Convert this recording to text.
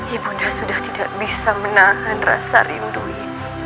ibunda sudah tidak bisa menahan rasa rindu ini